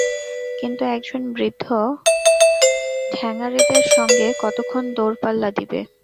কিন্তু একজন বৃদ্ধ ঠ্যাঙাড়েদের সঙ্গে কতক্ষণ দৌড়পাল্লা দিবে?